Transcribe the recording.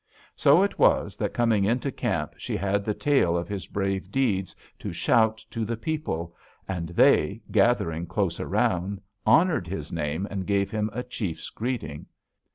So it was that, coming into camp, she had the tale of his brave deeds to shout to the people, and they, gathering close around, honored his name and gave him a chief's greeting.